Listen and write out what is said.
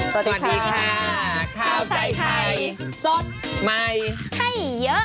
สวัสดีค่ะข้าวใส่ไข่สดใหม่ให้เยอะ